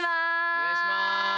お願いしまーす！